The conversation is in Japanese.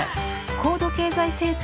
高度経済成長